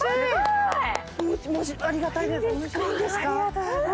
ありがたいです。